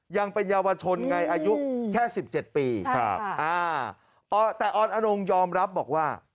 ยังเป็นเยาวชนไงอายุแค่๑๗ปีแต่ออนอนงยอมรับบอกว่า